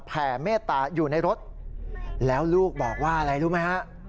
แผ่เมตตาอยู่ในรถแล้วลูกบอกว่าอะไรรู้ไหมฮะ